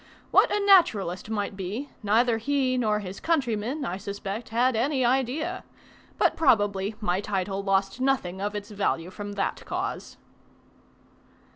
What a naturalist might be, neither he nor his countrymen, I suspect, had any idea; but probably my title lost nothing of its value from that cause.